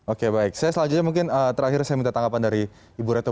oke baik saya selanjutnya mungkin terakhir saya minta tanggapan dari ibu reto